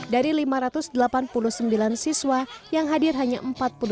dari lima ratus delapan puluh sembilan siswa yang hadir hanya satu persen